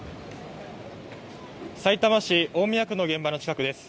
さいたま市大宮区の現場の近くです。